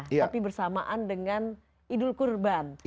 tapi bersamaan dengan idul kurban